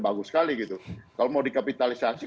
bagus sekali gitu kalau mau dikapitalisasi